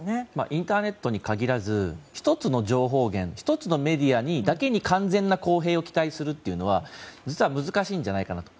インターネットに限らず１つの情報源１つのメディアだけに完全な公平を期待するというのは実は難しいんじゃないかなと。